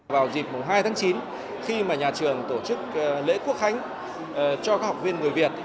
vào dịp hai tháng chín khi mà nhà trường tổ chức lễ quốc khánh cho các học viên người việt